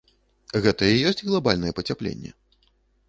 Гэта і ёсць глабальнае пацяпленне?